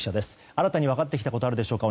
新たに分かってきたことがあるでしょうか？